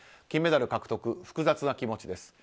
金メダル獲得、複雑な気持ちです。